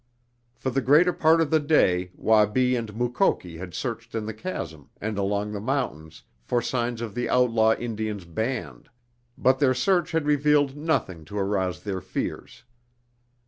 For the greater part of the day Wabi and Mukoki had searched in the chasm and along the mountains for signs of the outlaw Indian's band, but their search had revealed nothing to arouse their fears.